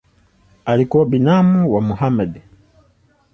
Alikuwa binamu wa Mohamed.